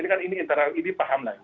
ini kan ini paham